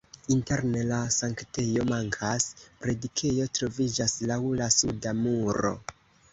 Interne la sanktejo mankas, predikejo troviĝas laŭ la suda muro.